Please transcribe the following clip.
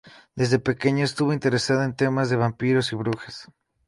Desde pequeña estuvo interesada en temas de vampiros y brujas.